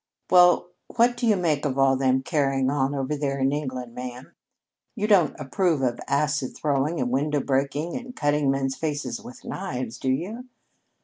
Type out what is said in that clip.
"Well, what do you make of all them carryings on over there in England, ma'am? You don't approve of acid throwing and window breaking and cutting men's faces with knives, do you?"